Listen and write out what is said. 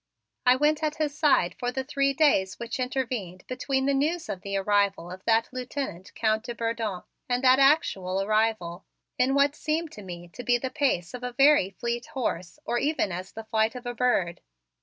I went at his side for the three days which intervened between the news of the arrival of that Lieutenant, Count de Bourdon, and that actual arrival, in what seemed to me to be the pace of a very fleet horse or even as the flight of a bird.